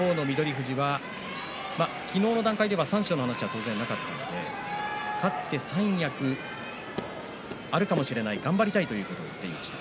富士は昨日の段階では三賞の話はなかったので勝って三役があるかもしれない頑張りたいと話していました。